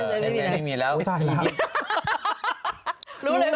รู้เลยว่านี่ดีเจรุ้นนาง